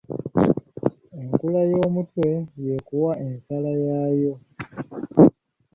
Enkula y'omutwe yekuwa ensala yaayo.